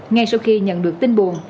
ngay sau khi nhận được tin buồn